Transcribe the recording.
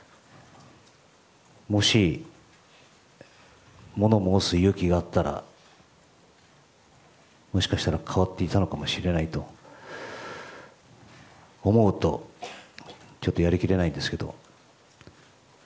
もし物申す勇気があったらもしかしたら変わっていたのかもしれないと思うとちょっとやりきれないんですが。